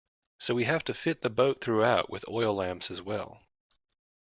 So we have to fit the boat throughout with oil lamps as well.